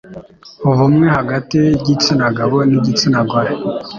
ubumwe hagati y'igitsina gabo n'igitsina gore